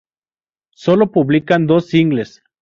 Sólo publican dos singles.